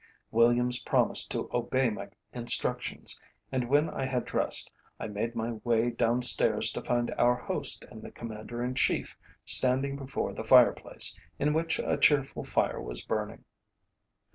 Williams promised to obey my instructions, and when I had dressed, I made my way downstairs to find our host and the Commander in Chief standing before the fire place, in which a cheerful fire was burning.